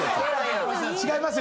・・違いますよ！